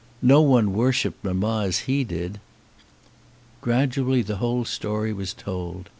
No one worshipped mamma as he did." Gradually the whole story was told.